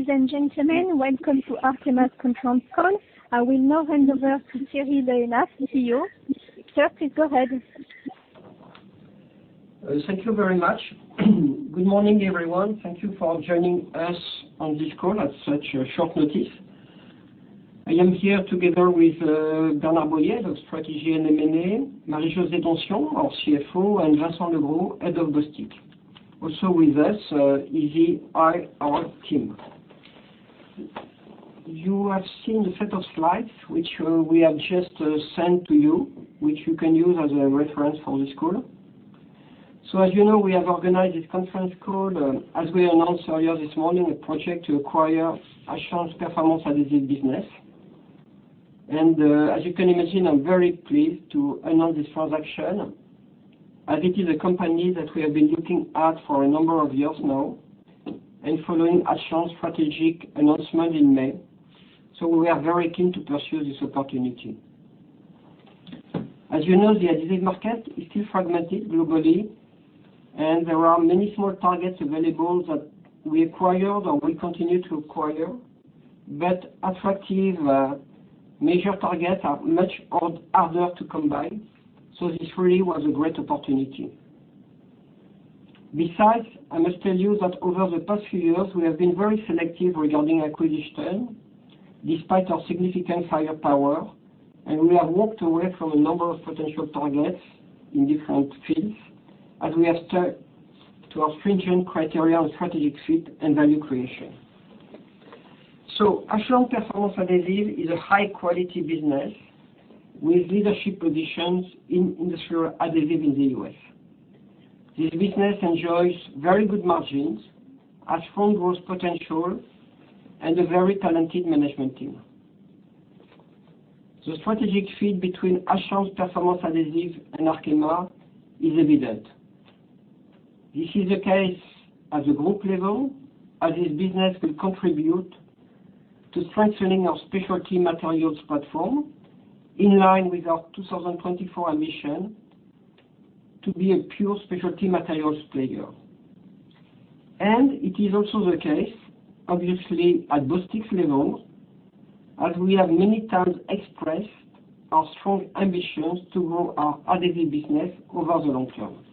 Ladies and gentlemen, welcome to Arkema's conference call. I will now hand over to Thierry Le Hénaff, CEO. Sir, please go ahead. Thank you very much. Good morning, everyone. Thank you for joining us on this call at such short notice. I am here together with Bernard Boyer of Strategy and M&A, Marie-José Donsion, our CFO, and Vincent Legros, head of Bostik. Also with us is our IR team. You have seen the set of slides which we have just sent to you, which you can use as a reference for this call. As you know, we have organized this conference call as we announced earlier this morning a project to acquire Ashland Performance Adhesives business. As you can imagine, I am very pleased to announce this transaction as it is a company that we have been looking at for a number of years now and following Ashland's strategic announcement in May. We are very keen to pursue this opportunity. As you know, the adhesive market is still fragmented globally, and there are many small targets available that we acquired or we continue to acquire. Attractive major targets are much harder to come by. This really was a great opportunity. Besides, I must tell you that over the past few years, we have been very selective regarding acquisition despite our significant firepower, and we have walked away from a number of potential targets in different fields as we have stuck to our stringent criteria on strategic fit and value creation. Ashland Performance Adhesives is a high-quality business with leadership positions in industrial adhesive in the U.S. This business enjoys very good margins, has strong growth potential, and a very talented management team. The strategic fit between Ashland Performance Adhesives and Arkema is evident. This is the case at the group level, as this business will contribute to strengthening our specialty materials platform in line with our 2024 ambition to be a pure specialty materials player. It is also the case, obviously, at Bostik's level, as we have many times expressed our strong ambitions to grow our adhesive business over the long term.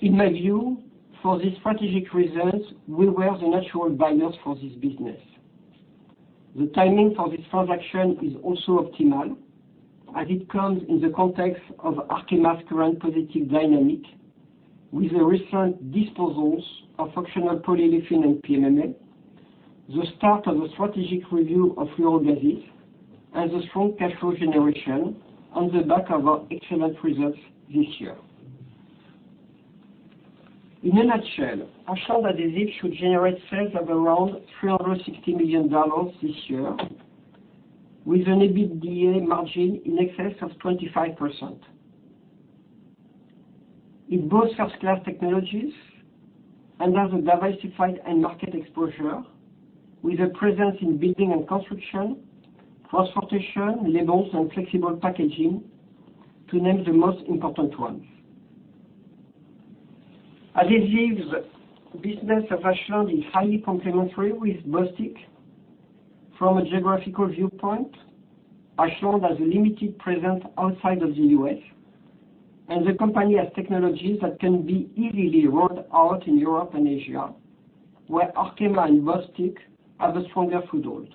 In my view, for these strategic reasons, we were the natural buyers for this business. The timing for this transaction is also optimal, as it comes in the context of Arkema's current positive dynamic with the recent disposals of Functional Polyolefins and PMMA, the start of a strategic review of fluorogases, and the strong cash flow generation on the back of our excellent results this year. In a nutshell, Ashland Adhesives should generate sales of around $360 million this year with an EBITDA margin in excess of 25%. It boasts first-class technologies and has a diversified end market exposure with a presence in building and construction, transportation, labels and flexible packaging, to name the most important ones. Adhesives business of Ashland is highly complementary with Bostik. From a geographical viewpoint, Ashland has a limited presence outside of the U.S., and the company has technologies that can be easily rolled out in Europe and Asia, where Arkema and Bostik have a stronger foothold.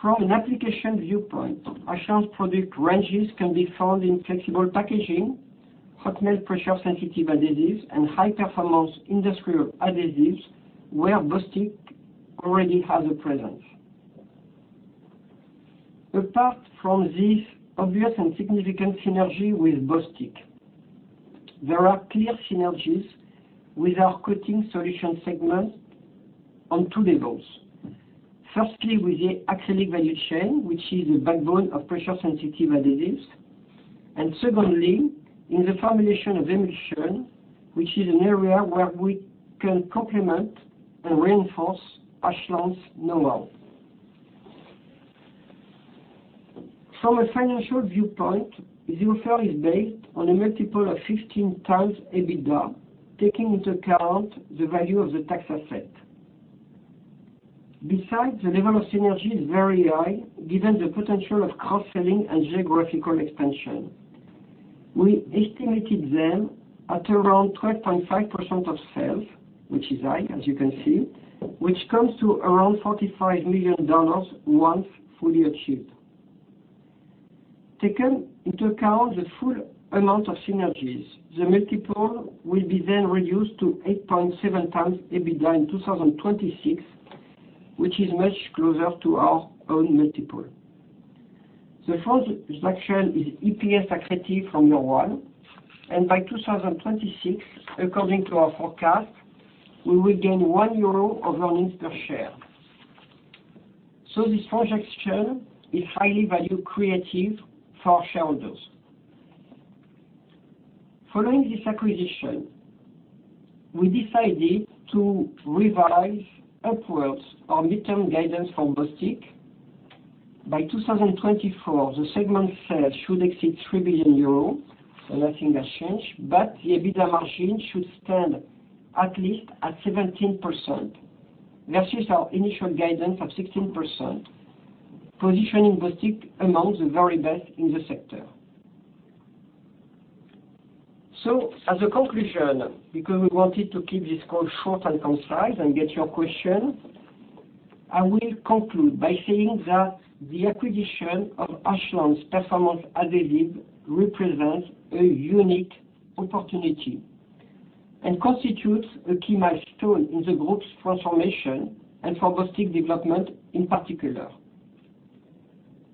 From an application viewpoint, Ashland's product ranges can be found in flexible packaging, hot melt pressure-sensitive adhesives and high-performance industrial adhesives where Bostik already has a presence. Apart from this obvious and significant synergy with Bostik, there are clear synergies with our Coating Solutions segment on 2 levels. Firstly, with the acrylic value chain, which is the backbone of pressure-sensitive adhesives, and secondly, in the formulation of emulsion, which is an area where we can complement and reinforce Ashland's know-how. From a financial viewpoint, the offer is based on a multiple of 15x EBITDA, taking into account the value of the tax asset. The level of synergy is very high given the potential of cross-selling and geographical expansion. We estimated them at around 12.5% of sales, which is high, as you can see, which comes to around $45 million once fully achieved. Taken into account the full amount of synergies, the multiple will be then reduced to 8.7x EBITDA in 2026, which is much closer to our own multiple. The first transaction is EPS accretive from day one, and by 2026, according to our forecast, we will gain 1 euro of earnings per share. This transaction is highly value creative for our shareholders. Following this acquisition, we decided to revise upwards our midterm guidance for Bostik. By 2024, the segment sales should exceed 3 billion euros, nothing has changed, the EBITDA margin should stand at least at 17%, versus our initial guidance of 16%, positioning Bostik amongst the very best in the sector. As a conclusion, because we wanted to keep this call short and concise and get your question, I will conclude by saying that the acquisition of Ashland Performance Adhesives represents a unique opportunity and constitutes a key milestone in the Group's transformation and for Bostik development in particular.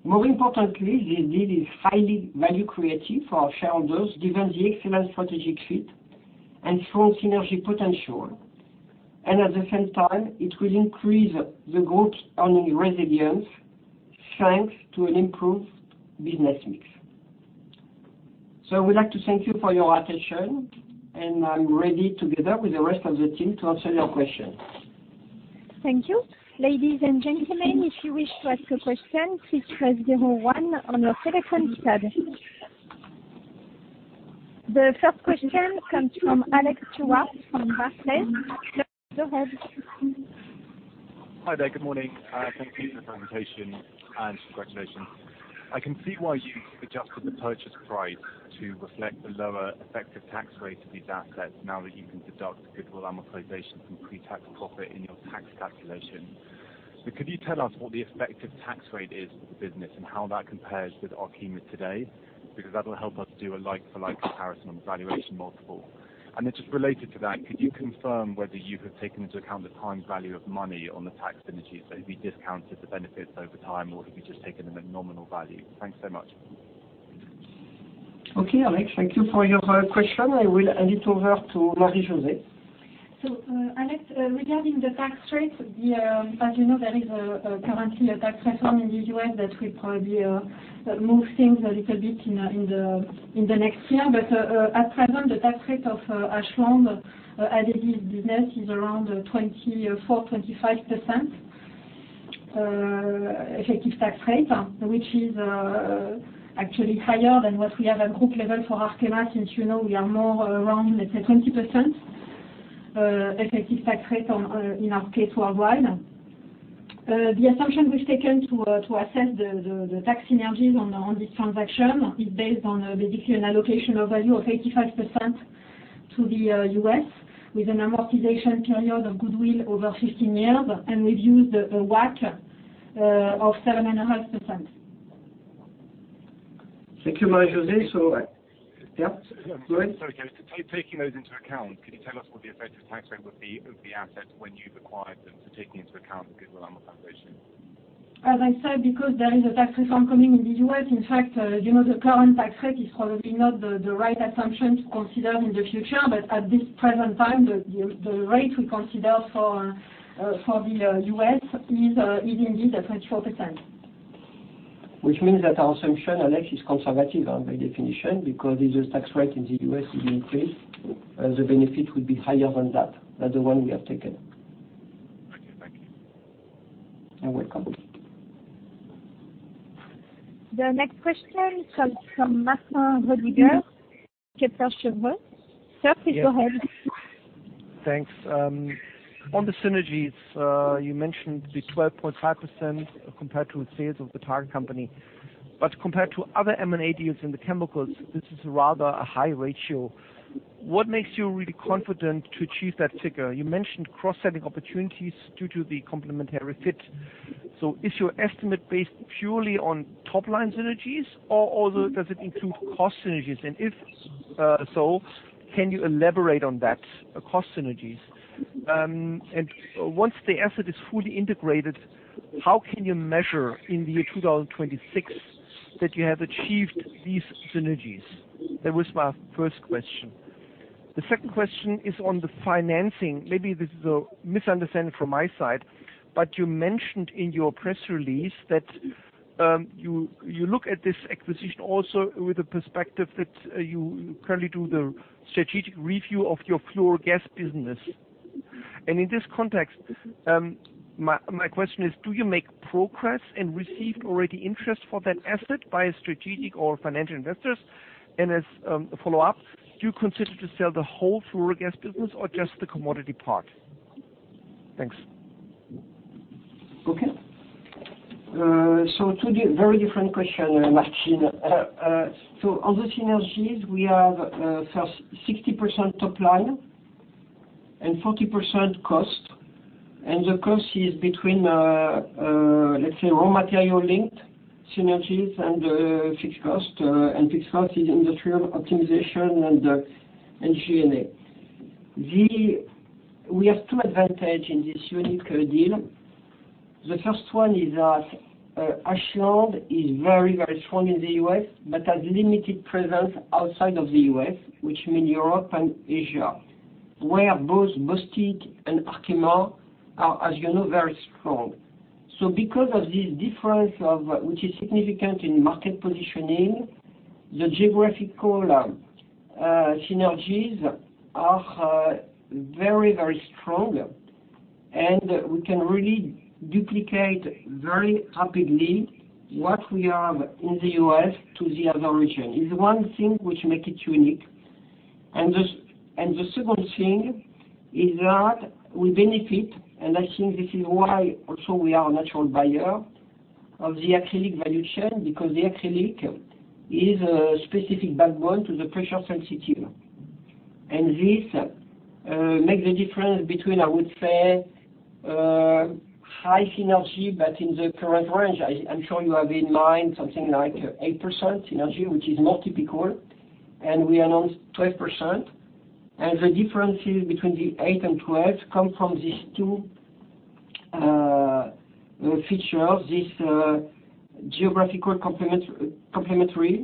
More importantly, this deal is highly value creative for our shareholders, given the excellent strategic fit and strong synergy potential. At the same time, it will increase the Group's earning resilience, thanks to an improved business mix. I would like to thank you for your attention, and I'm ready, together with the rest of the team, to answer your questions. Thank you. Ladies and gentlemen, if you wish to ask a question, please press zero one on your telephone keypad. The first question comes from Alex Stewart from Barclays. Go ahead. Hi there. Good morning. Thank you for the presentation. Congratulations. I can see why you've adjusted the purchase price to reflect the lower effective tax rate of these assets now that you can deduct goodwill amortization from pre-tax profit in your tax calculation. Could you tell us what the effective tax rate is for the business and how that compares with Arkema today? That'll help us do a like-for-like comparison on the valuation multiple. Just related to that, could you confirm whether you have taken into account the time value of money on the tax synergies? Have you discounted the benefits over time, or have you just taken them at nominal value? Thanks so much. Okay, Alex, thank you for your question. I will hand it over to Marie-José. Alex, regarding the tax rate, as you know, there is currently a tax reform in the U.S. that will probably move things a little bit in the next year. At present, the tax rate of Ashland Performance Adhesives business is around 24%-25% effective tax rate. Which is actually higher than what we have at group level for Arkema, since you know we are more around, let's say, 20% effective tax rate in our case worldwide. The assumption we've taken to assess the tax synergies on this transaction is based on basically an allocation of value of 85% to the U.S., with an amortization period of goodwill over 15 years, and we've used a WACC of 7.5%. Thank you, Marie-José. Yeah, go ahead. Sorry, taking those into account, could you tell us what the effective tax rate would be of the assets when you've acquired them to taking into account the goodwill amortization? As I said, because there is a tax reform coming in the U.S., in fact, the current tax rate is probably not the right assumption to consider in the future. At this present time, the rate we consider for the U.S. is indeed at 24%. Which means that our assumption, Alex, is conservative by definition, because if the tax rate in the U.S. will increase, the benefit will be higher than that, than the one we have taken. Okay. Thank you. You're welcome. The next question comes from Martin Roediger, Kepler Cheuvreux. Sir, please go ahead. Yes. Thanks. On the synergies, you mentioned the 12.5% compared to sales of the target company. Compared to other M&A deals in the chemicals, this is rather a high ratio. What makes you really confident to achieve that figure? You mentioned cross-selling opportunities due to the complementary fit. Is your estimate based purely on top-line synergies, or does it include cost synergies? If so, can you elaborate on that, cost synergies? Once the asset is fully integrated, how can you measure in the year 2026 that you have achieved these synergies? That was my first question. The second question is on the financing. Maybe this is a misunderstanding from my side, you mentioned in your press release that you look at this acquisition also with a perspective that you currently do the strategic review of your fluorogas business. In this context, my question is, do you make progress and receive already interest for that asset by strategic or financial investors? As a follow-up, do you consider to sell the whole fluorogas business or just the commodity part? Thanks. Okay. 2 very different question, Martin. On the synergies, we have first 60% top line and 40% cost. The cost is between, let's say, raw material linked synergies and fixed cost, and fixed cost is industrial optimization and G&A. We have 2 advantage in this unique deal. The first one is that Ashland is very strong in the U.S. but has limited presence outside of the U.S., which mean Europe and Asia, where both Bostik and Arkema are, as you know, very strong. Because of this difference, which is significant in market positioning. The geographical synergies are very, very strong, and we can really duplicate very rapidly what we have in the U.S. to the other region. It's one thing which make it unique. The second thing is that we benefit, and I think this is why also we are a natural buyer of the acrylic value chain, because the acrylic is a specific backbone to the pressure-sensitive. This makes the difference between, I would say, high synergy, but in the current range. I'm sure you have in mind something like 8% synergy, which is more typical, and we are around 12%. The differences between the 8 and 12 come from these two features, this geographical complementarities,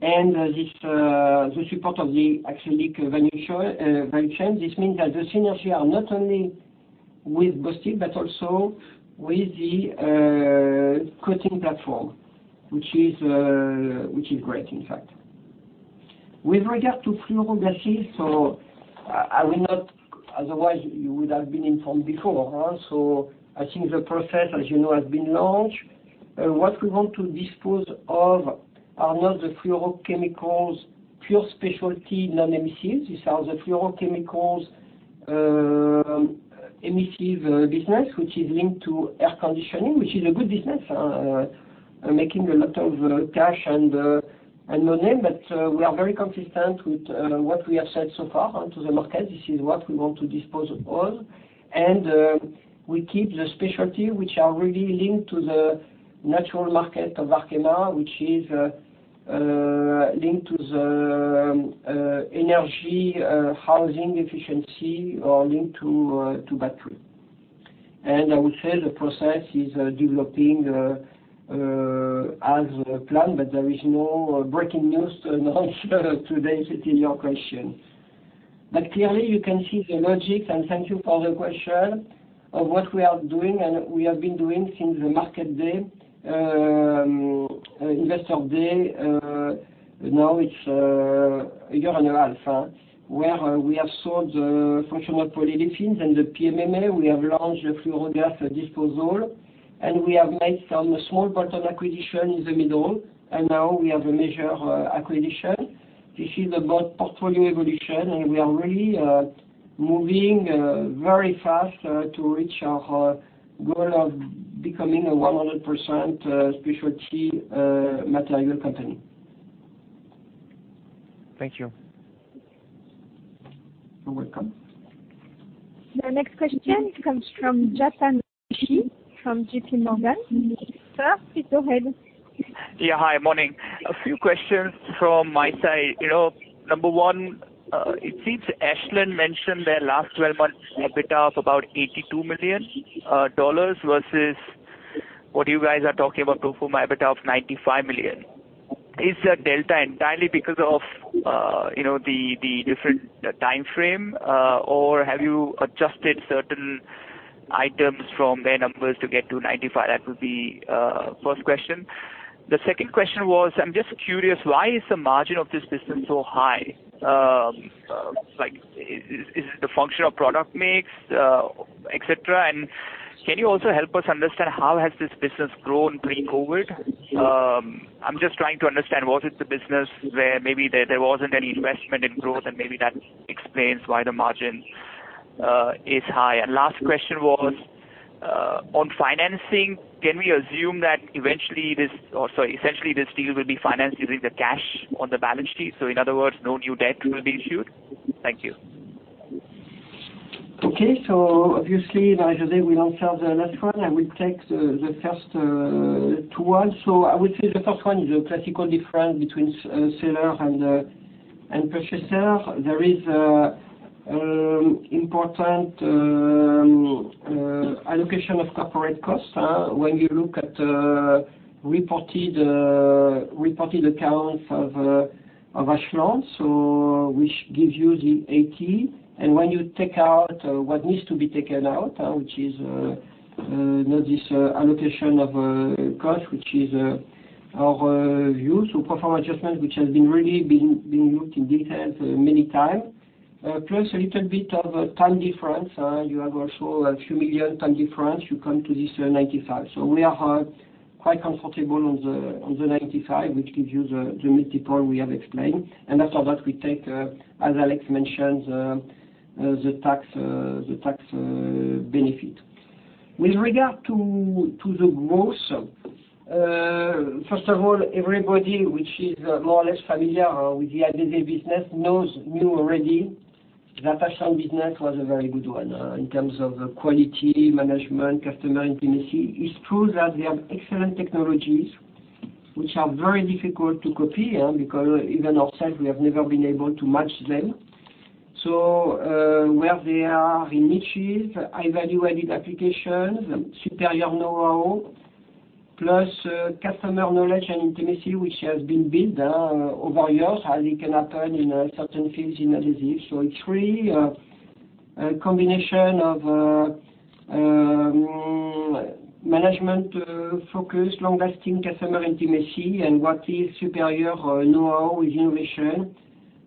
and the support of the acrylic value chain. This means that the synergy are not only with Bostik, but also with the Coating Solutions platform, which is great, in fact. With regard to fluorogases, I will not, otherwise you would have been informed before. I think the process, as you know, has been launched. What we want to dispose of are not the fluorochemicals, pure specialty, non-emissive. These are the fluorochemicals, emissive business, which is linked to air conditioning, which is a good business, making a lot of cash and money. We are very consistent with what we have said so far to the market. This is what we want to dispose of all. We keep the specialty, which are really linked to the natural market of Arkema, which is linked to the energy, housing efficiency or linked to battery. I would say the process is developing as planned, but there is no breaking news to announce today to your question. Clearly, you can see the logic, and thank you for the question, of what we are doing and we have been doing since the Market Day, Investor Day. Now it's a year and a half where we have sold the Functional Polyolefins and the PMMA. We have launched the fluorogas disposal, made some small bolt-on acquisition in the middle. Now we have a major acquisition. This is about portfolio evolution, and we are really moving very fast to reach our goal of becoming a 100% specialty material company. Thank you. You're welcome. The next question comes from Chetan Udeshi from JPMorgan. Sir, please go ahead. Yeah. Hi, morning. A few questions from my side. Number one, it seems Ashland mentioned their last 12 months EBITDA of about $82 million versus what you guys are talking about pro forma EBITDA of $95 million. Is that delta entirely because of the different timeframe, or have you adjusted certain items from their numbers to get to 95? That would be first question. The second question was, I'm just curious, why is the margin of this business so high? Is it a function of product mix, et cetera? Can you also help us understand how has this business grown pre-COVID? I'm just trying to understand was it the business where maybe there wasn't any investment in growth, and maybe that explains why the margin is high. Last question was, on financing, can we assume that eventually essentially this deal will be financed using the cash on the balance sheet? In other words, no new debt will be issued? Thank you. Okay. Obviously, now, Jose will answer the last one. I will take the first two ones. I would say the first one is a classical difference between seller and purchaser. There is important allocation of corporate costs. When you look at reported accounts of Ashland, which gives you the EUR 80. When you take out what needs to be taken out, which is not this allocation of cost, which is our view. Pro forma adjustment, which has really been looked in detail many times. Plus a little bit of a time difference. You have also a few million time difference. You come to this 95. We are quite comfortable on the 95, which gives you the multiple we have explained. After that, we take, as Alex mentioned, the tax benefit. With regard to the growth, first of all, everybody which is more or less familiar with the adhesive business knew already that Ashland business was a very good one in terms of quality, management, customer intimacy. It's true that they have excellent technologies which are very difficult to copy, because even ourselves, we have never been able to match them. Where they are in niches, high-value-added applications, superior know-how, plus customer knowledge and intimacy, which has been built over years, as it can happen in certain fields in adhesive. It's really a combination of management focus, long-lasting customer intimacy, and what is superior know-how is innovation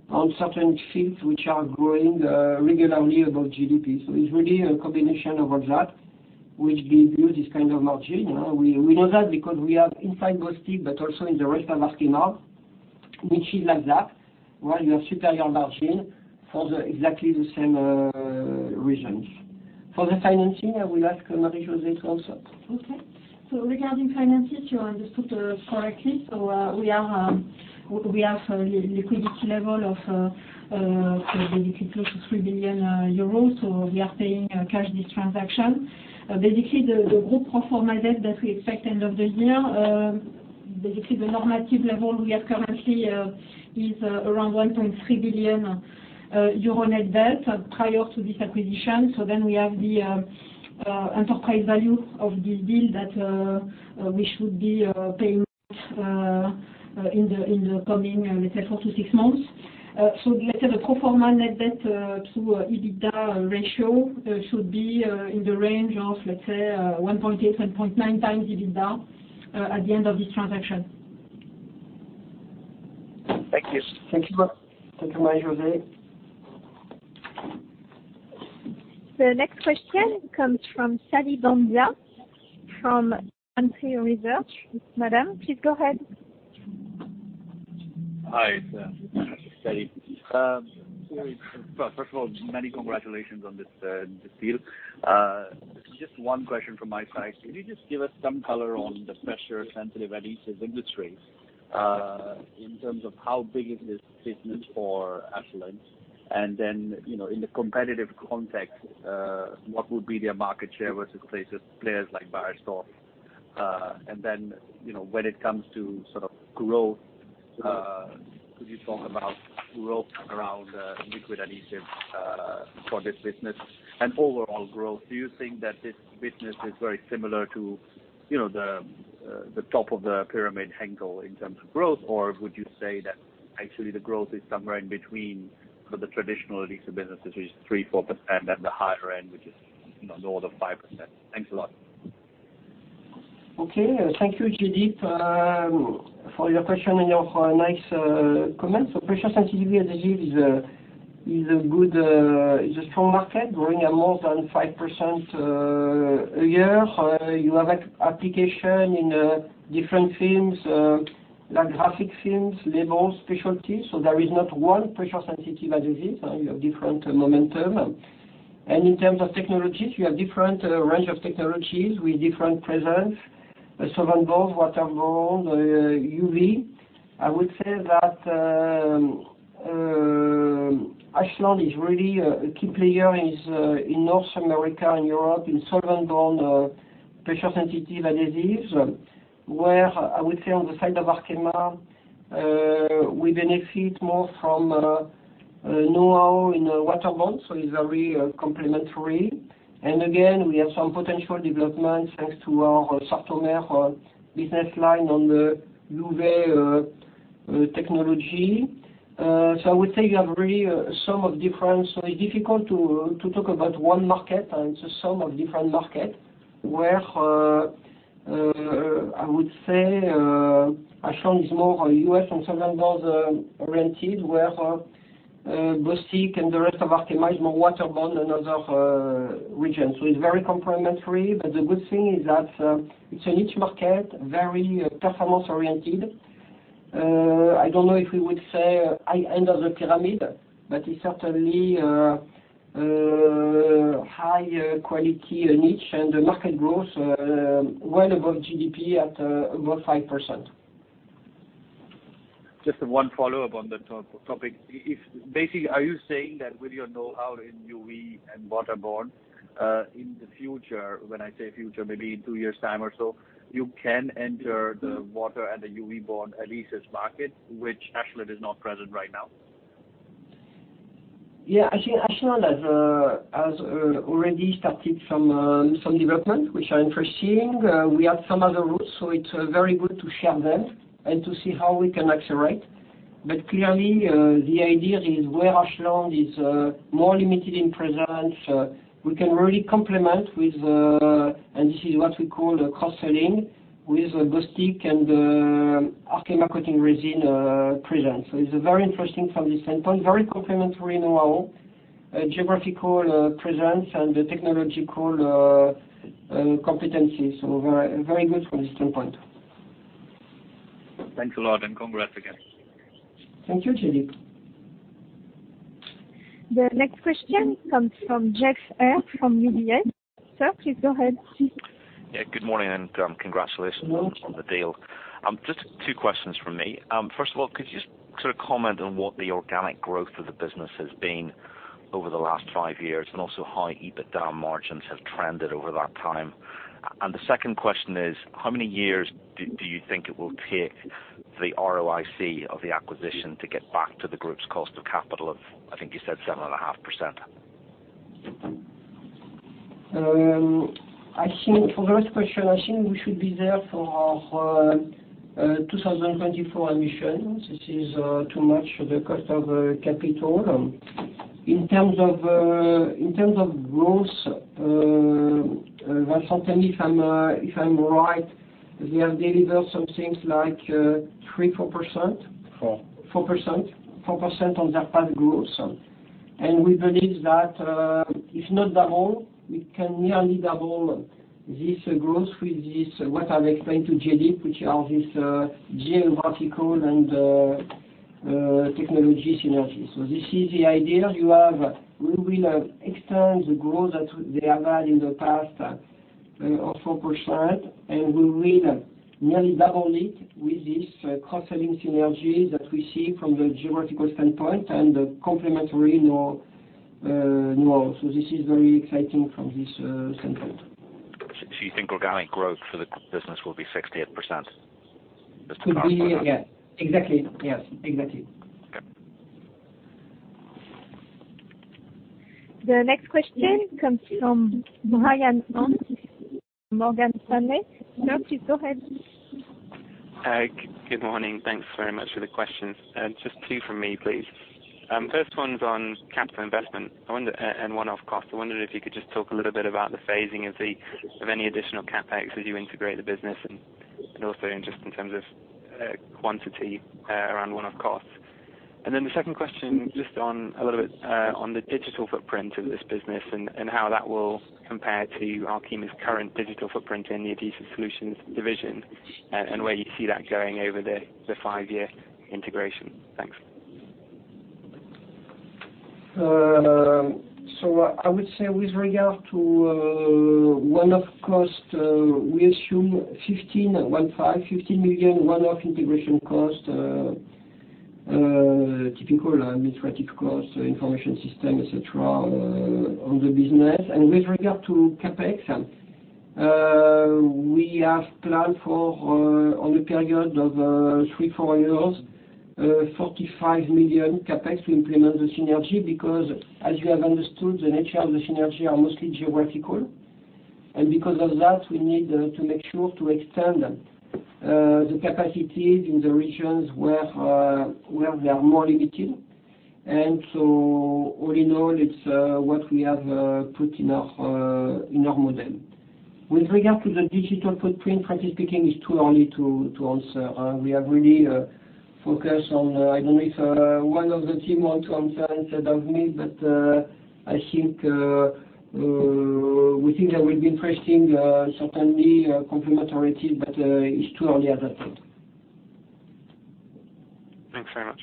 on certain fields which are growing regularly above GDP. It's really a combination of all that which gives you this kind of margin. We know that because we are inside Bostik, but also in the rest of Arkema, which is like that, where you have superior margin for exactly the same reasons. For the financing, I will ask Marie-José also. Okay. Regarding finances, you understood correctly. We have liquidity level of basically close to 3 billion euros. We are paying cash this transaction. The group pro forma debt that we expect end of the year, basically the normative level we have currently is around 1.3 billion euro net debt prior to this acquisition. We have the enterprise value of this deal that we should be paying in the coming, let's say, 4 to 6 months. Let's say the pro forma net debt to EBITDA ratio should be in the range of, let's say, 1.8x-1.9x EBITDA at the end of this transaction. Thank you. Thank you. Thank you, Marie-José. The next question comes from Jaideep Pandya from On Field Investment. Madam, please go ahead. Hi, Thierry. First of all, many congratulations on this deal. Just one question from my side. Can you just give us some color on the pressure-sensitive adhesives industry, in terms of how big is this business for Ashland? In the competitive context, what would be their market share versus players like Beiersdorf? When it comes to growth, could you talk about growth around liquid adhesives for this business? Overall growth, do you think that this business is very similar to the top of the pyramid Henkel in terms of growth? Or would you say that actually the growth is somewhere in between the traditional adhesive businesses, which is 3%-4%, and the higher end, which is north of 5%? Thanks a lot. Okay. Thank you, Jaideep Pandya, for your question and your nice comments. Pressure-sensitive adhesives is a strong market, growing at more than 5% a year. You have application in different films, like graphic films, labels, specialties. There is not one pressure-sensitive adhesive. You have different momentum. In terms of technologies, we have different range of technologies with different presence. Solventborne, waterborne, UV. I would say that Ashland is really a key player in North America and Europe in solventborne pressure-sensitive adhesives. Where, I would say on the side of Arkema, we benefit more from know-how in waterborne, so it's very complementary. Again, we have some potential development, thanks to our Sartomer business line on the UV technology. I would say you have really a sum of difference. It's difficult to talk about one market. It's a sum of different market, where, I would say Ashland is more U.S. and solventborne-oriented, where Bostik and the rest of Arkema is more waterborne and other regions. It's very complementary. The good thing is that it's a niche market, very performance-oriented. I don't know if we would say high end of the pyramid, but it's certainly a high-quality niche, and the market growth well above GDP at above 5%. Just one follow-up on that topic. Basically, are you saying that with your know-how in UV and waterborne, in the future, when I say future, maybe in two years' time or so, you can enter the water and the UV borne adhesives market, which Ashland is not present right now? I think Ashland has already started some development, which are interesting. We have some other routes. It is very good to share them and to see how we can accelerate. Clearly, the idea is where Ashland is more limited in presence, we can really complement with, and this is what we call cross-selling, with Bostik and Arkema coating resin presence. It is very interesting from this standpoint. Very complementary know-how, geographical presence, and technological competencies. Very good from this standpoint. Thanks a lot, and congrats again. Thank you, Jaideep Pandya. The next question comes from Geoff Haire from UBS. Sir, please go ahead. Yeah. Good morning, and congratulations. Good morning. on the deal. Just two questions from me. First of all, could you just sort of comment on what the organic growth of the business has been over the last five years and also how EBITDA margins have trended over that time? The second question is, how many years do you think it will take the ROIC of the acquisition to get back to the group's cost of capital of, I think you said, 7.5%? For the first question, I think we should be there for 2024 emissions. This is too much the cost of capital. In terms of growth, Vincent, if I'm right, they have delivered some things like 3%, 4%. Four. 4%. 4% on their past growth. We believe that if not double, we can nearly double this growth with this, what I explained to JD, which are this geographical and technology synergy. This is the idea. We will extend the growth that they have had in the past of 4%, and we will nearly double it with this cross-selling synergy that we see from the geographical standpoint and the complementary know-how. This is very exciting from this standpoint. You think organic growth for the business will be 6%-8%? Could be, yeah. Exactly. Yes. Exactly. Okay. The next question comes from Thomas Wrigglesworth, Morgan Stanley. No, please go ahead. Good morning. Thanks very much for the questions. Just two from me, please. First one's on capital investment and one-off cost. I wondered if you could just talk a little bit about the phasing of any additional CapEx as you integrate the business and also just in terms of quantity around one-off costs. The second question, just on a little bit on the digital footprint of this business and how that will compare to Arkema's current digital footprint in the Adhesive Solutions division and where you see that going over the five-year integration. Thanks. I would say with regard to one-off cost, we assume 15 million one-off integration cost, typical administrative cost, information system, et cetera, on the business. With regard to CapEx, we have planned for, on the period of three, four years, 45 million CapEx to implement the synergy because as you have understood, the nature of the synergy are mostly geographical. Because of that, we need to make sure to extend the capacities in the regions where they are more limited. All in all, it's what we have put in our model. With regard to the digital footprint, frankly speaking, it's too early to answer. We have really focused on I don't know if one of the team want to answer instead of me, but we think there will be interesting, certainly complementarities, but it's too early at that point. Thanks very much.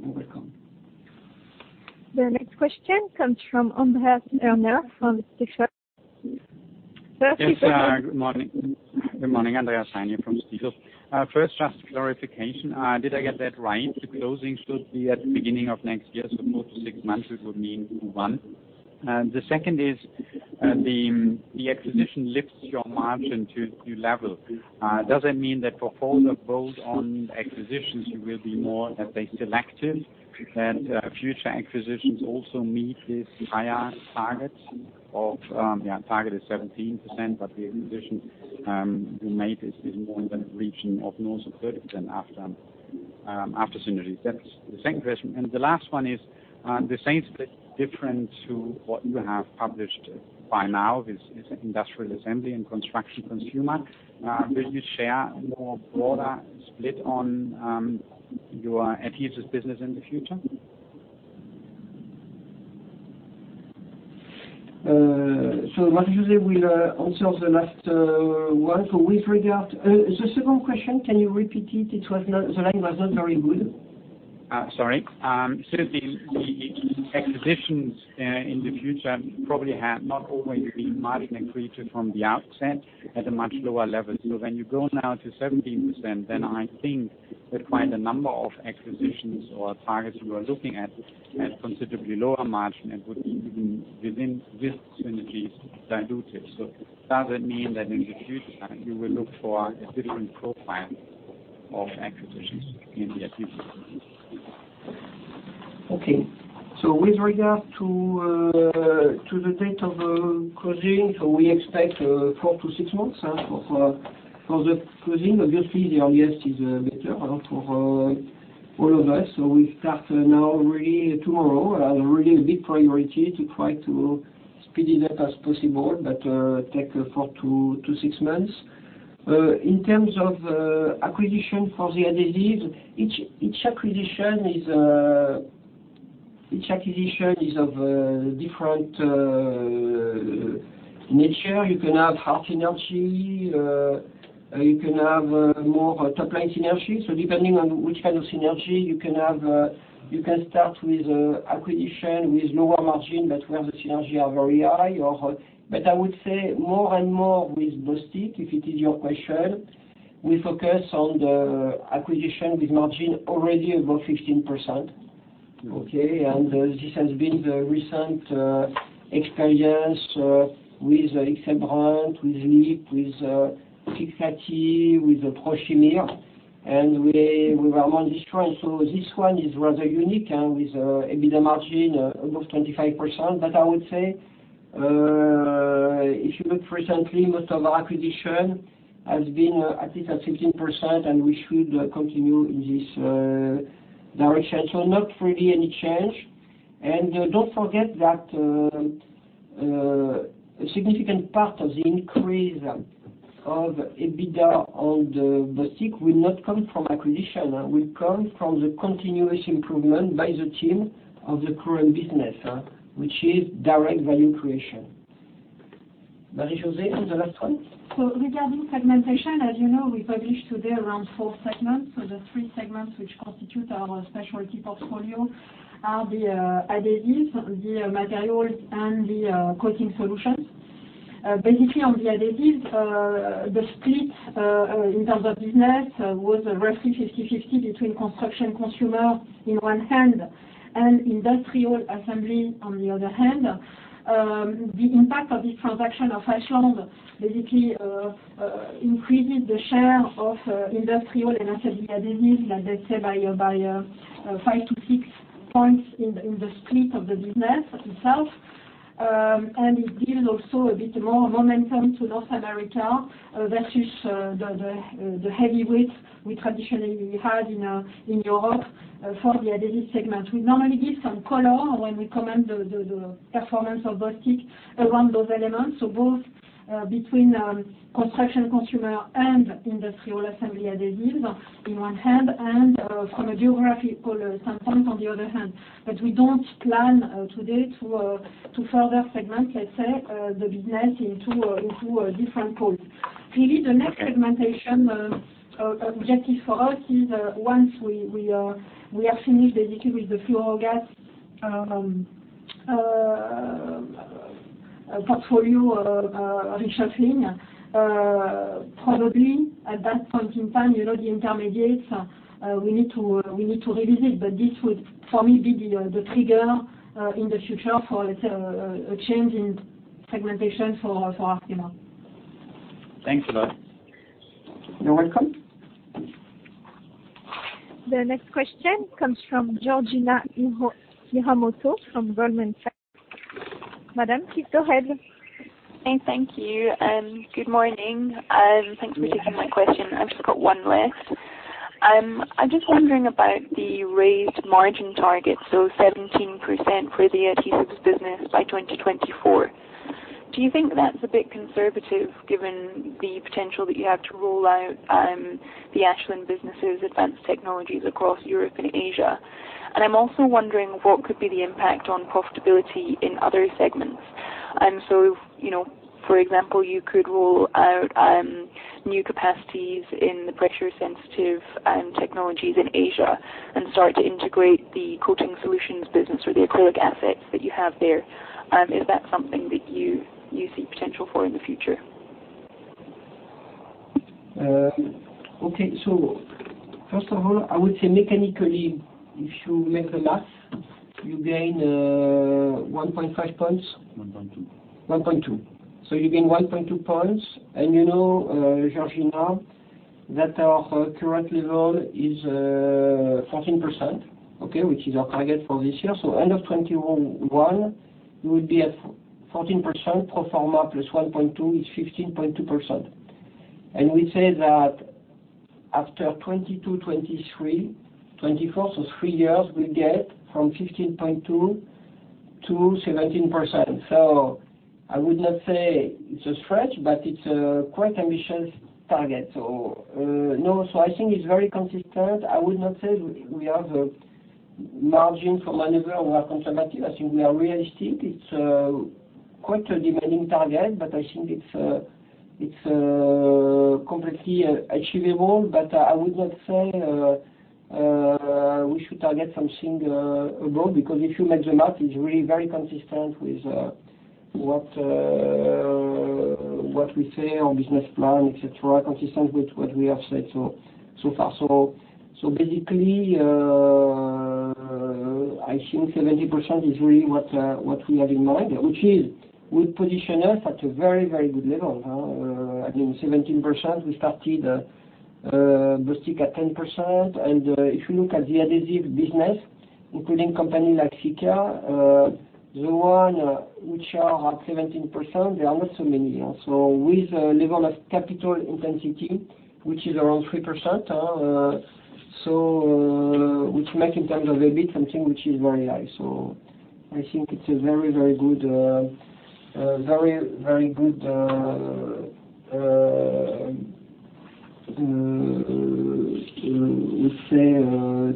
You're welcome. The next question comes from Andreas Heine from. Sir, please. Yes. Good morning. Good morning. Andreas Heine from Stifel. First, just clarification. Did I get that right? The closing should be at beginning of next year, so four to six months, it would mean one. The second is, the acquisition lifts your margin to new level. Does it mean that for further build on acquisitions, you will be more, let's say, selective, that future acquisitions also meet this higher target? Target is 17%, but the acquisition you made is more in the region of north of 30% after synergies? That's the second question. The last one is, the segment different to what you have published by now is Industrial, Assembly, and Construction Consumer. Will you share more broader split on your adhesives business in the future? Marie-José will answer the last one. With regard the second question, can you repeat it? The line was not very good. Sorry. The acquisitions in the future probably have not always been margin accretive from the outset at a much lower level. When you go now to 17%, I think that quite a number of acquisitions or targets you are looking at considerably lower margin and would be even within this synergies diluted. Does it mean that in the future you will look for a different profile of acquisitions in the adhesives? Okay. With regard to the date of the closing, we expect four to six months for the closing. Obviously, the earliest is better for all of us. We start now really tomorrow and really a big priority to try to speed it up as possible, but take four to six months. In terms of acquisition for the adhesives, each acquisition is of a different nature. You can have hard synergy, you can have more top-line synergy. Depending on which kind of synergy, you can start with acquisition with lower margin, but where the synergy are very high. I would say more and more with Bostik, if it is your question, we focus on the acquisition with margin already above 15%. Okay. This has been the recent experience with Den Braven, with LIP, with Fixatti, with Prochimir. We were among the strong. This one is rather unique, and with EBITDA margin above 25%. I would say, if you look recently, most of our acquisition has been at least at 15%, and we should continue in this direction. Not really any change. Don't forget that a significant part of the increase of EBITDA on the Bostik will not come from acquisition, will come from the continuous improvement by the team of the current business, which is direct value creation. Marie-José, is the last one. Regarding segmentation, as you know, we publish today around four segments. The three segments which constitute our specialty portfolio are the Adhesive Solutions, the materials, and the Coating Solutions. Basically, on the Adhesive Solutions, the split in terms of business was roughly 50/50 between construction consumer on one hand, and industrial assembly on the other hand. The impact of this transaction of Ashland basically increased the share of industrial and assembly adhesives, let's say, by five to six points in the split of the business itself. It gives also a bit more momentum to North America versus the heavyweights we traditionally had in Europe for the adhesive segment. We normally give some color when we comment the performance of Bostik around those elements. Both between construction consumer and industrial assembly adhesives in one hand, and from a geographic standpoint on the other hand. We don't plan today to further segment, let's say, the business into different poles. Really, the next segmentation objective for us is once we are finished basically with the fluorogases portfolio reshuffling. Probably at that point in time, the intermediates, we need to revisit, but this would, for me, be the trigger in the future for, let's say, a change in segmentation for Arkema. Thanks, Eva. You're welcome. The next question comes from Georgina Iwamoto from Goldman Sachs. Madam, please go ahead. Thank you. Good morning. Thanks for taking my question. I've just got one last. I'm just wondering about the raised margin target, so 17% for the adhesives business by 2024. Do you think that's a bit conservative given the potential that you have to roll out the Ashland business' advanced technologies across Europe and Asia? I'm also wondering what could be the impact on profitability in other segments. For example, you could roll out new capacities in the pressure-sensitive adhesives in Asia and start to integrate the Coating Solutions business or the acrylic assets that you have there. Is that something that you see potential for in the future? Okay. First of all, I would say mechanically, if you make the math, you gain 1.5 points. 1.2. You gain 1.2 points, and you know, Georgina, that our current level is 14%, okay, which is our target for this year. End of 2021, we will be at 14%. Pro forma plus 1.2 is 15.2%. We say that after 2022, 2023, 2024, so three years, we get from 15.2%-17%. I would not say it's a stretch, but it's a quite ambitious target. No. I think it's very consistent. I would not say we have a margin for maneuver or we're conservative. I think we are realistic. It's quite a demanding target, but I think it's completely achievable. I would not say we should target something above, because if you make the math, it's really very consistent with what we say, our business plan, et cetera, consistent with what we have said so far. I think 17% is really what we have in mind, which will position us at a very, very good level. I mean, 17%, we started Bostik at 10%, and if you look at the adhesive business, including company like Sika, the one which are at 17%, there are not so many. With a level of capital intensity which is around 3%, which make in terms of EBIT something which is very high. I think it's a very good, let's say,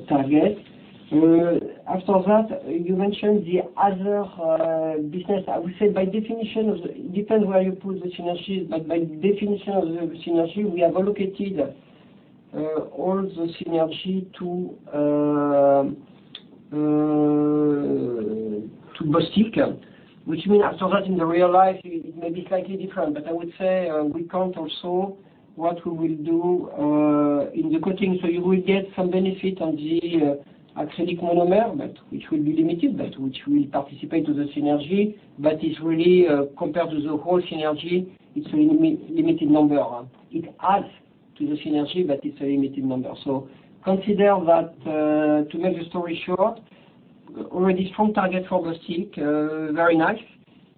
target. After that, you mentioned the other business. I would say by definition of the it depends where you put the synergy, but by definition of the synergy, we have allocated all the synergy to Bostik, which means after that in the real life, it may be slightly different. I would say we count also what we will do in the coating. You will get some benefit on the acrylic monomer, which will be limited, which will participate to the synergy. It's really compared to the whole synergy, it's a limited number. It adds to the synergy, it's a limited number. Consider that to make the story short. Already strong target for Bostik. Very nice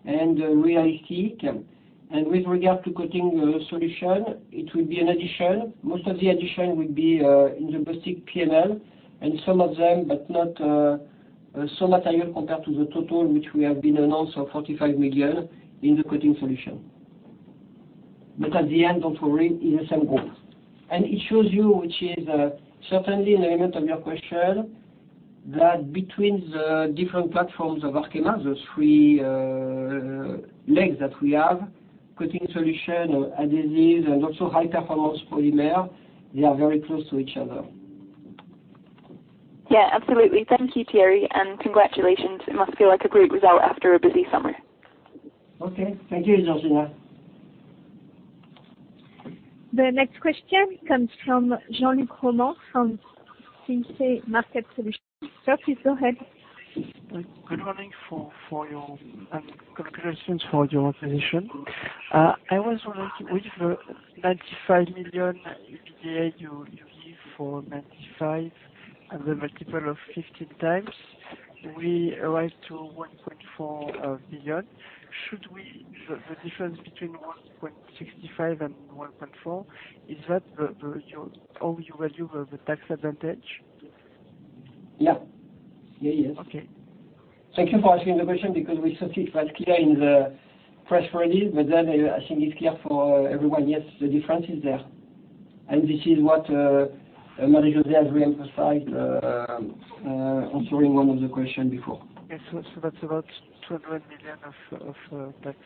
and realistic. With regard to Coating Solutions, it will be an addition. Most of the addition will be in the Bostik P&L, some of them, not so material compared to the total, which we have been announced of 45 million in the Coating Solutions. At the end of the ring, in the same group. It shows you, which is certainly an element of your question, that between the different platforms of Arkema, those three legs that we have, Coating Solutions, Adhesive Solutions, and also high performance polymers, they are very close to each other. Yeah, absolutely. Thank you, Thierry, and congratulations. It must feel like a great result after a busy summer. Okay. Thank you, Georgina. The next question comes from Jean-Luc Romain from CIC Market Solutions. Sir, please go ahead. Good morning. Congratulations for your acquisition. I was wondering with the 95 million EBITDA you give for 95 and the multiple of 15x, we arrive to 1.4 million. Should the difference between 1.65 and 1.4, is that how you value the tax advantage? Yeah. Yes. Okay. Thank you for asking the question because we thought it was clear in the press release, but then I think it's clear for everyone. Yes, the difference is there. This is what Marie-José has re-emphasized answering one of the question before. Okay. That's about 200 million of tax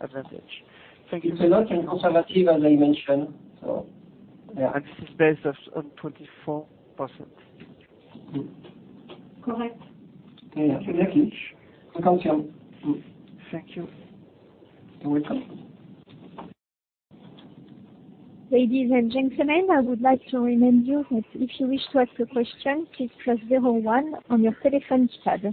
advantage. Thank you. It's a lot and conservative, as I mentioned. Yeah. This is based on 24%. Good. Correct. Yeah. Thank you. Confirmed. Good. Thank you. You're welcome. Ladies and gentlemen, I would like to remind you that if you wish to ask a question, please press zero one on your telephone keypad.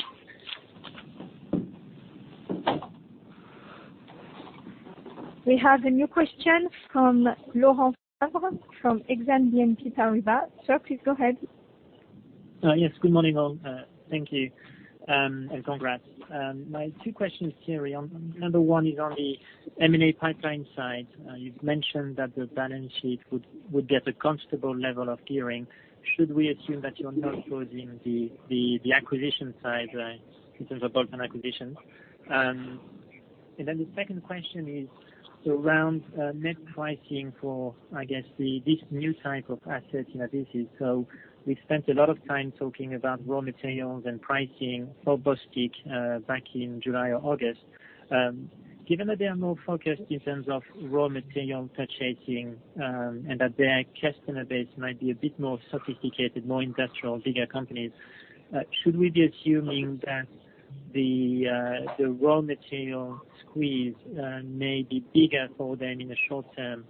We have a new question from Laurent Favre from Exane BNP Paribas. Sir, please go ahead. Yes, good morning all. Thank you, and congrats. My two questions, Thierry. Number one is on the M&A pipeline side. You've mentioned that the balance sheet would be at a comfortable level of gearing. Should we assume that you're now closing the acquisition side in terms of bolt-on acquisitions? The second question is around net pricing for, I guess, this new type of asset, Adhesive Solutions. We spent a lot of time talking about raw materials and pricing for Bostik back in July or August. Given that they are more focused in terms of raw material purchasing and that their customer base might be a bit more sophisticated, more industrial, bigger companies, should we be assuming that the raw material squeeze may be bigger for them in the short term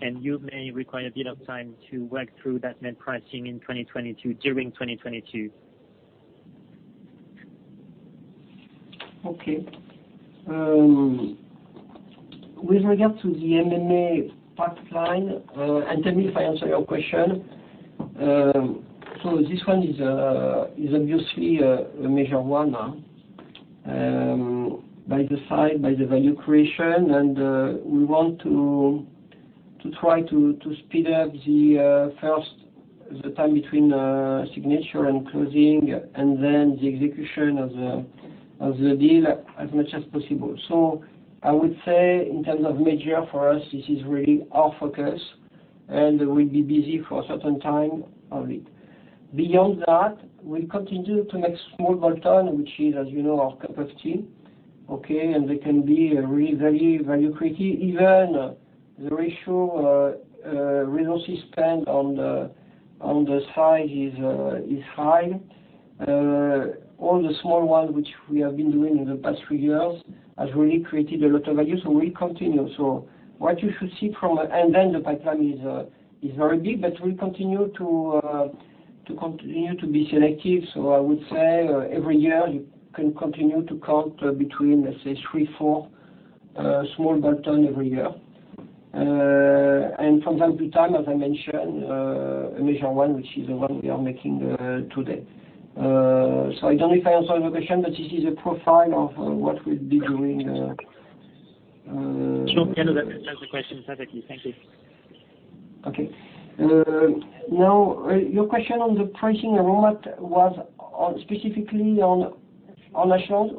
and you may require a bit of time to work through that net pricing in 2022, during 2022? Okay. With regard to the M&A pipeline, tell me if I answer your question. This one is obviously a major one by the side, by the value creation, and we want to try to speed up the time between signature and closing, and then the execution of the deal as much as possible. I would say in terms of major, for us, this is really our focus, and we'll be busy for a certain time on it. Beyond that, we continue to make small bolt-on, which is, as you know, our capacity. Okay. They can be really very value creative. Even the ratio resources spent on the side is high. All the small ones which we have been doing in the past few years has really created a lot of value. We continue. The pipeline is very big, but we'll continue to be selective. I would say every year you can continue to count between, let's say three, four small bolt-on every year. From time to time, as I mentioned, a major one, which is the one we are making today. I don't know if I answered your question, but this is a profile of what we'll be doing. Sure. Yeah. That answers the question perfectly. Thank you. Okay. Now, your question on the pricing raw mat was specifically on Adhesives.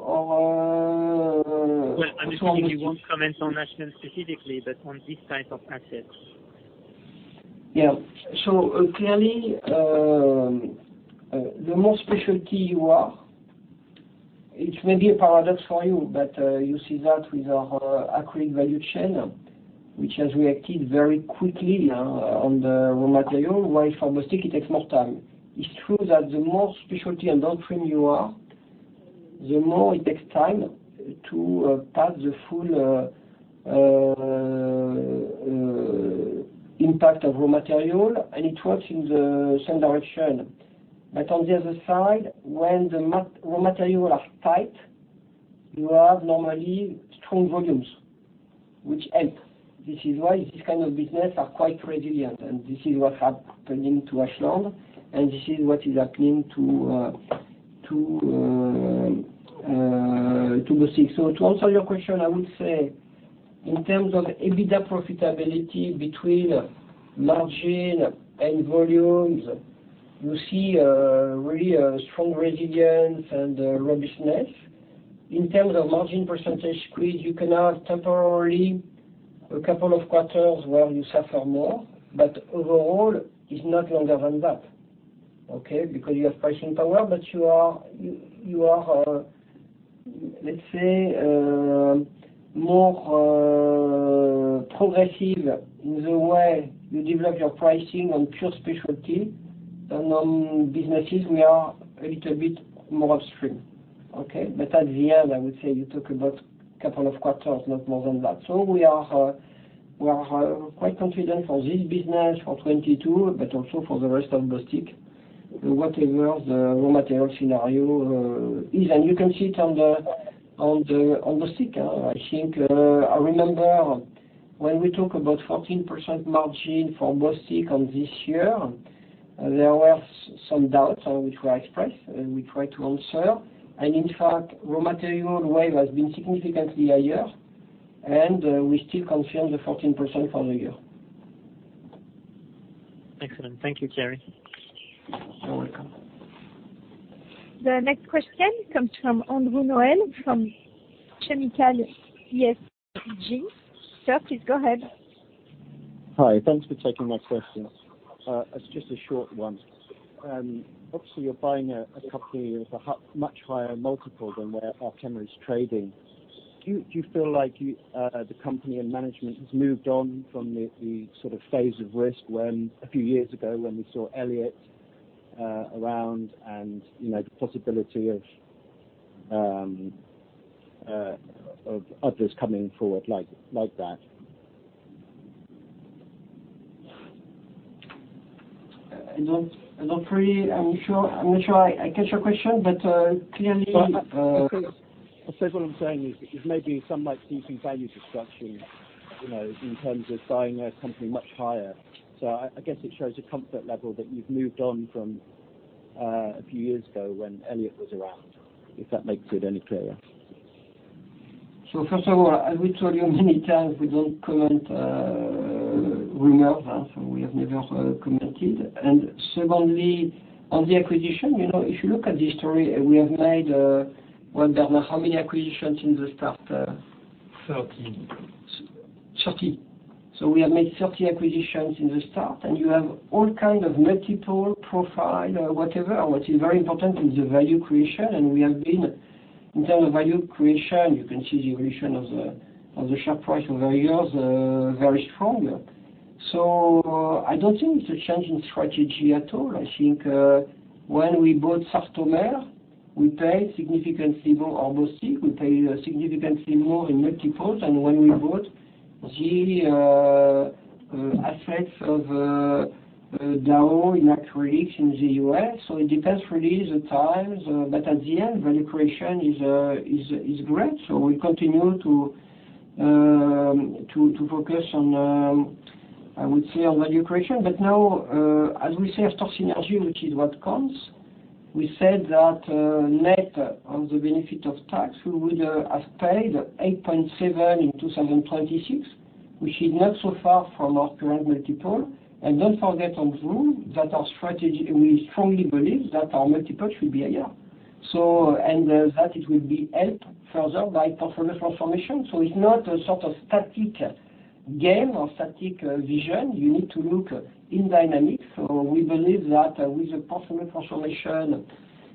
Well, I'm assuming you won't comment on Adhesives specifically, but on this type of asset. Yeah. Clearly, the more specialty you are, it may be a paradox for you, but you see that with our acrylic value chain, which has reacted very quickly on the raw material, while for Bostik, it takes more time. It is true that the more specialty and downstream you are, the more it takes time to pass the full impact of raw material, and it works in the same direction. On the other side, when the raw material are tight, you have normally strong volumes, which helps. This is why this kind of business are quite resilient, and this is what happening to Ashland, and this is what is happening to Bostik. To answer your question, I would say in terms of EBITDA profitability between margin and volumes, you see really a strong resilience and robustness. In terms of margin percentage squeeze, you can have temporarily two quarters where you suffer more, but overall, it's not longer than that. Okay. You have pricing power, but you are, let's say, more progressive in the way you develop your pricing on pure specialty than on businesses we are a little bit more upstream. Okay. At the end, I would say you talk about two quarters, not more than that. We are quite confident for this business for 2022, but also for the rest of Bostik. Whatever the raw material scenario is, you can see it on the sticker. I remember when we talk about 14% margin for Bostik on this year, there were some doubts which were expressed, we try to answer. In fact, raw material wave has been significantly higher, and we still confirm the 14% for the year. Excellent. Thank you, Thierry. You're welcome. The next question comes from Andrew Noël from ChemicalESG. Sir, please go ahead. Hi. Thanks for taking my questions. It's just a short one. Obviously, you're buying a company with a much higher multiple than where Arkema is trading. Do you feel like the company and management has moved on from the sort of phase of risk when a few years ago when we saw Elliott around and the possibility of others coming forward like that? Not really. I'm not sure I catch your question, but clearly- I suppose what I'm saying is because maybe some might see some value destruction, in terms of buying a company much higher. I guess it shows a comfort level that you've moved on from a few years ago when Elliott was around, if that makes it any clearer. First of all, I will tell you how many times we don't comment rumors. We have never commented. Secondly, on the acquisition, if you look at the history, we have made, what, Bernard, how many acquisitions in the start? 30. We have made 30 acquisitions in the start, and you have all kind of multiple profile, whatever. What is very important is the value creation. We have been, in terms of value creation, you can see the creation of the share price over the years are very strong. I don't think it's a change in strategy at all. I think when we bought Sartomer, we paid significantly more, or Bostik, we paid significantly more in multiples than when we bought the assets of Dow in acrylics in the U.S. It depends really the times. At the end, value creation is great. We continue to focus on, I would say, on value creation. Now, as we say, stock synergy, which is what counts, we said that net on the benefit of tax, we would have paid 8.7x in 2026, which is not so far from our current multiple. Don't forget, Alexis Noël, that our strategy, we strongly believe that our multiple should be higher. It will be helped further by portfolio transformation. It's not a sort of static game or static vision. You need to look in dynamic. We believe that with the portfolio transformation,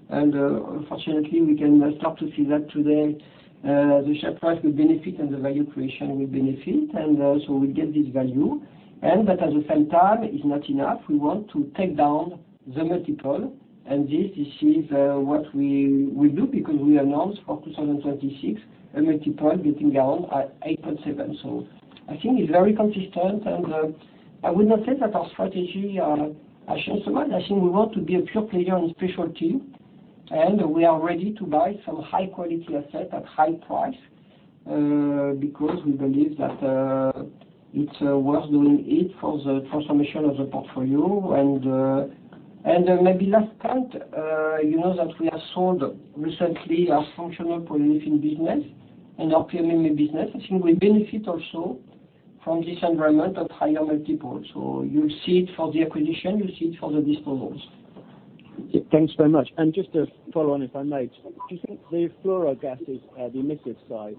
and fortunately, we can start to see that today, the share price will benefit and the value creation will benefit, we get this value. At the same time, it's not enough. We want to take down the multiple, this is what we do because we announced for 2026 a multiple getting down at 8.7x. I think it's very consistent, and I would not say that our strategy has changed so much. I think we want to be a pure player on specialty, and we are ready to buy some high-quality asset at high price, because we believe that it's worth doing it for the transformation of the portfolio. Maybe last point, you know that we have sold recently our Functional Polyolefins business and our PMMA business. I think we benefit also from this environment at higher multiples. You see it for the acquisition, you see it for the disposals. Thanks very much. Just to follow on, if I might. Do you think the fluorogases, the emissive side,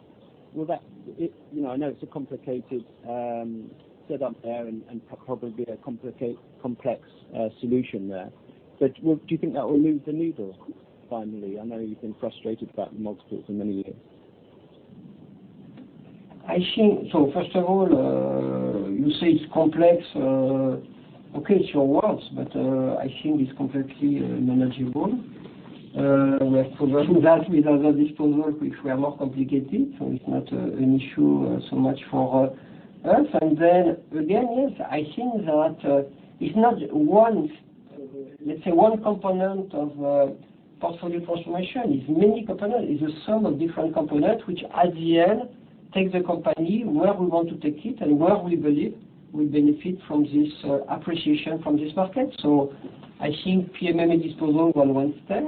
I know it's a complicated setup there and probably a complex solution there, but do you think that will move the needle finally? I know you've been frustrated about the multiples for many years. First of all, you say it's complex. Okay, it's your words, but I think it's completely manageable. We have proven that with other disposal which were more complicated, it's not an issue so much for us. Again, yes, I think that it's not let's say one component of portfolio transformation is many component, is a sum of different component, which at the end takes the company where we want to take it and where we believe will benefit from this appreciation from this market. I think PMMA at disposal was one step.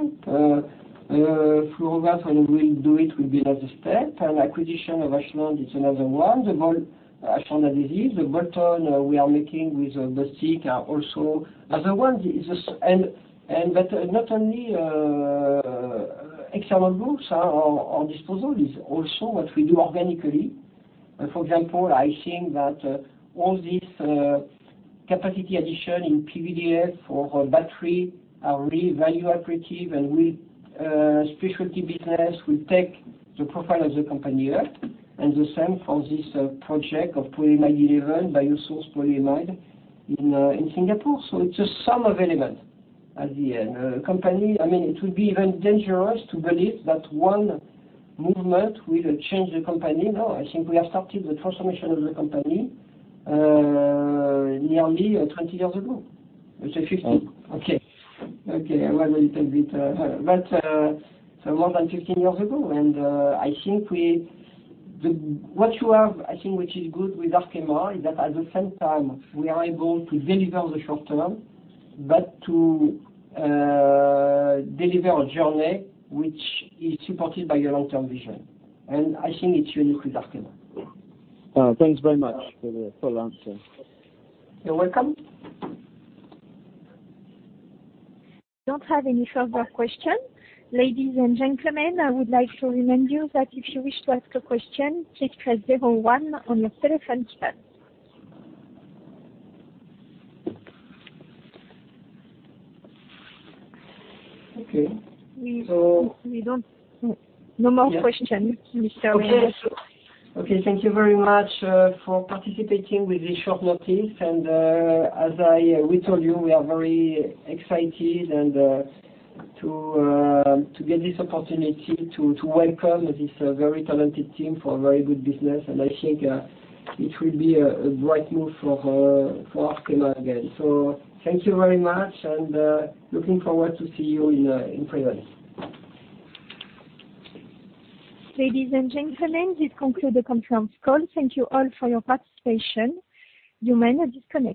Fluoroelastomer when we'll do it will be another step. Acquisition of Ashland is another one. The whole Ashland is. The bolt-ons we are making with Bostik are also another one. That not only external moves are on disposal, is also what we do organically. For example, I think that all this capacity addition in PVDF for battery are really value-accretive, and specialty business will take the profile of the company up, and the same for this project of polyamide 11, bio-based polyamide in Singapore. It's a sum of element at the end. It will be even dangerous to believe that one movement will change the company. No, I think we have started the transformation of the company nearly 20 years ago. Let's say 15. Okay. More than 15 years ago. I think what you have, I think which is good with Arkema, is that at the same time, we are able to deliver the short term, but to deliver a journey which is supported by a long-term vision. I think it's unique with Arkema. Thanks very much for the answer. You're welcome. Don't have any further question. Okay. No more question, Mr. Le Hénaff. Okay. Thank you very much for participating with this short notice. As we told you, we are very excited and to get this opportunity to welcome this very talented team for a very good business, and I think it will be a bright move for Arkema again. Thank you very much, and looking forward to see you in presence. Ladies and gentlemen, this concludes the conference call. Thank you all for your participation. You may now disconnect.